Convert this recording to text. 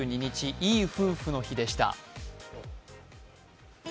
いい夫婦の日でした。